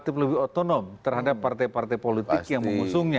relatif lebih otonom terhadap partai partai politik yang mengusungnya